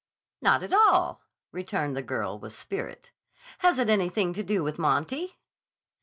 "Not at all," returned the girl with spirit.' "Has it anything to do with Monty?"